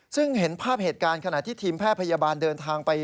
ซึ่งเห็นภาพเหตุการณ์ขณะที่ทีมแพทย์พยาบาลเดินทางไป